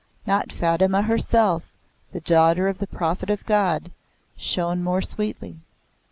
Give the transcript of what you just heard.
Not Fatmeh herself, the daughter of the Prophet of God, shone more sweetly.